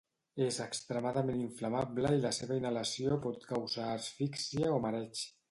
És extremadament inflamable i la seva inhalació pot causar asfíxia o mareig.